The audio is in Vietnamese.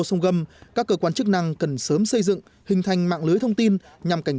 sông gâm các cơ quan chức năng cần sớm xây dựng hình thành mạng lưới thông tin nhằm cảnh